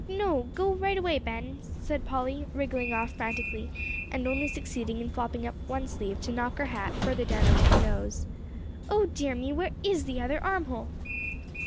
"Ugh, no, go right away, Ben," cried Polly, wriggling off frantically, and only succeeding in flopping up one sleeve to knock her hat farther down over her nose. "O dear me! where is the other armhole?"